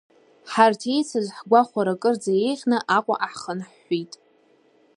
Ҳарҭ еицыз ҳгәахәара акырӡа еиӷьны Аҟәаҟа ҳхын ҳәит.